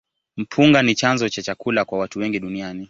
Mpunga ni chanzo cha chakula kwa watu wengi duniani.